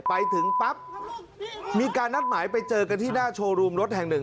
ไปถึงปั๊บมีการนัดหมายไปเจอกันที่หน้าโชว์รูมรถแห่งหนึ่ง